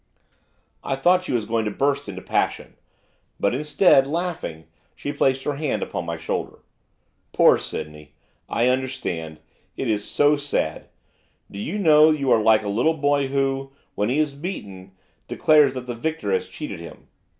I thought she was going to burst into passion. But, instead, laughing, she placed her hand upon my shoulder. 'Poor Sydney! I understand! It is so sad! Do you know you are like a little boy who, when he is beaten, declares that the victor has cheated him.